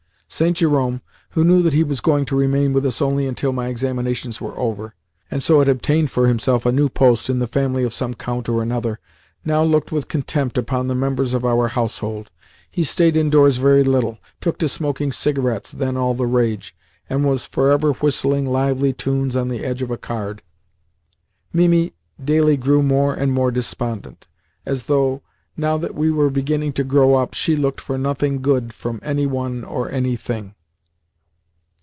St. Jerome, who knew that he was going to remain with us only until my examinations were over, and so had obtained for himself a new post in the family of some count or another, now looked with contempt upon the members of our household. He stayed indoors very little, took to smoking cigarettes (then all the rage), and was for ever whistling lively tunes on the edge of a card. Mimi daily grew more and more despondent, as though, now that we were beginning to grow up, she looked for nothing good from any one or anything.